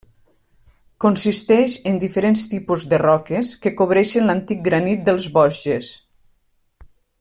Consisteix en diferents tipus de roques que cobreixen l'antic granit dels Vosges.